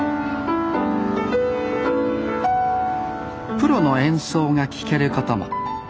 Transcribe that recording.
プロの演奏が聴けることも。